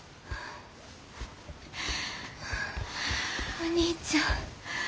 お兄ちゃん。